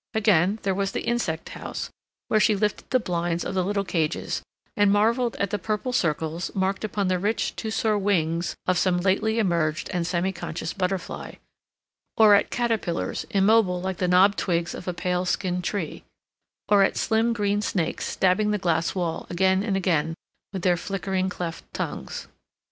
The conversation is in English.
Again, there was the insect house, where she lifted the blinds of the little cages, and marveled at the purple circles marked upon the rich tussore wings of some lately emerged and semi conscious butterfly, or at caterpillars immobile like the knobbed twigs of a pale skinned tree, or at slim green snakes stabbing the glass wall again and again with their flickering cleft tongues.